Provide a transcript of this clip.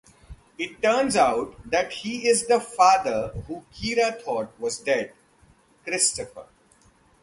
It turns out that he is the father who Kira thought was dead: Christopher.